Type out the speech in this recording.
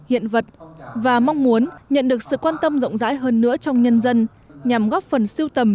hiện vật và mong muốn nhận được sự quan tâm rộng rãi hơn nữa trong nhân dân nhằm góp phần siêu tầm